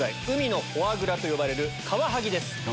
海のフォアグラと呼ばれるカワハギです。